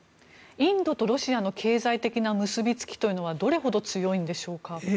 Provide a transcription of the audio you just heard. インドとロシアの経済的な結びつきはどれほど強いんでしょうか。